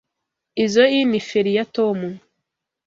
Izoi ni feri ya Tom.